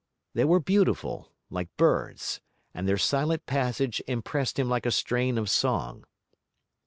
They were beautiful, like birds, and their silent passage impressed him like a strain of song.